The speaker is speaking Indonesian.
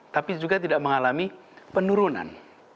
tapi juga tidak mengalami penurunan